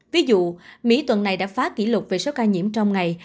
ví dụ mỹ tuần này đã phá kỷ lục về số ca nhiễm trong ngày